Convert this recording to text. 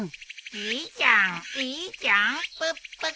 いいじゃんいいじゃんプップクプー。